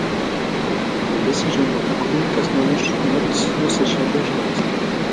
The decision of the court has no such language in it.